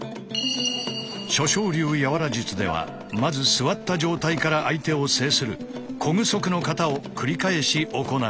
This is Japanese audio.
諸賞流和術ではまず座った状態から相手を制する小具足の型を繰り返し行う。